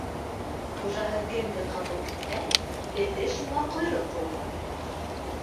Хужаһы кемде ҡабул итһә, эте шуға ҡойроҡ болғар.